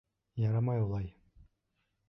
Ярамай улай...